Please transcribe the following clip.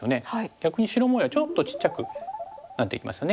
逆に白模様がちょっとちっちゃくなっていきますよね。